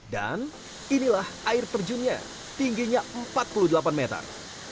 dan inilah air terjunnya tingginya empat puluh delapan meter